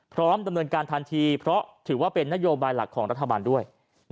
ดำเนินการทันทีเพราะถือว่าเป็นนโยบายหลักของรัฐบาลด้วย